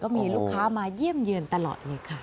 มีลูกค้ามาเยี่ยมเยือนตลอดเลยค่ะ